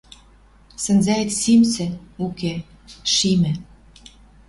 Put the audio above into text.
«Сӹнзӓэт симсӹ... уке, шимӹ